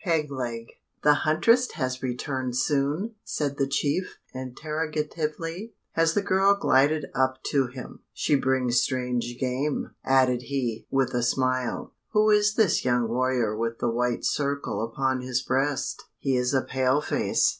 PEG LEG. "The huntress has returned soon?" said the chief, interrogatively, as the girl glided up to him. "She brings strange game!" added he, with a smile. "Who is the young warrior with the white circle upon his breast? He is a pale face.